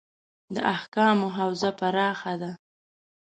د احکامو حوزه پراخه ده.